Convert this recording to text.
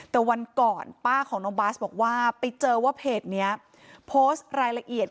แต่วันก่อนป้าของน้องบาสบอกว่าไปเจอว่าเพจนี้โพสต์รายละเอียด